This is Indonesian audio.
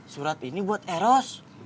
surat ini buat eros